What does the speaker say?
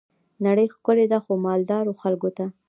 نړۍ ښکلي ده خو، مالدارو خلګو ته.